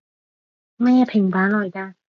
咩平板來㗎？